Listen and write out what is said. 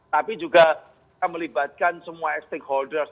tapi juga kita melibatkan semua stakeholders